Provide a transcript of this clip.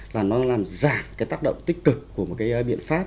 là nó làm giảm cái tác động tích cực của một cái biện pháp